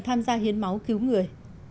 tham gia hiến máu cứu người